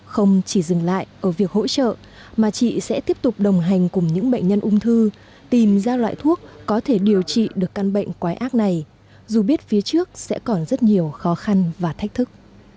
không chỉ dừng lại ở việc hỗ trợ mà chị sẽ tiếp tục đồng hành cùng những bệnh nhân ung thư tìm ra loại thuốc có thể điều trị được căn bệnh quái ác này dù biết phía trước sẽ còn rất nhiều khó khăn và thách thức